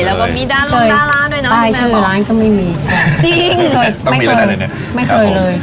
แล้วก็มีด้านรุ่นด้านร้านด้วยนะครับแม่ใช่หรือร้านก็ไม่มีจริงไม่เคยไม่เคยเลย